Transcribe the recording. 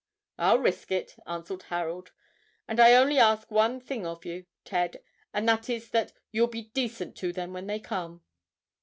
"I'll risk it," answered Harold; "and I only ask one thing of you, Ted, and that is that you'll be decent to them when they come."